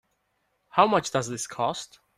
How much does this cost?